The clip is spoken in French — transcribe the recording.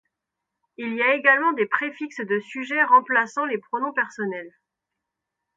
Il y également des préfixes de sujet remplaçant les pronoms personnels.